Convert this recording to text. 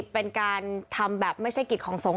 เป็นการทำแบบไม่ใช่กิจของสงฆ